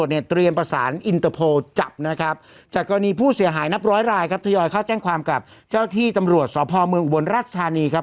นะครับจากกรณีผู้เสียหายนับร้อยรายครับทุยอยเขาแจ้งความกับเจ้าที่ตำรวจสอบภอมเมืองอุบวนราชธานีครับ